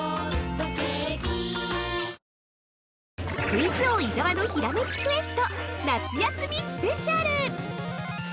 ◆クイズ王伊沢のひらめきクエスト夏休みスペシャル！